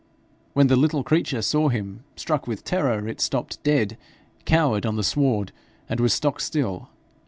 When the little creature saw him, struck with terror it stopped dead, cowered on the sward, and was stock still.